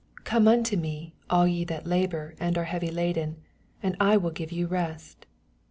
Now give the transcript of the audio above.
S8 Come onto me, all yi that labor and are heavy laden, and I will give jroareat.